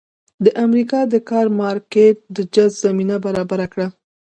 د امریکا د کار مارکېټ د جذب زمینه برابره کړه.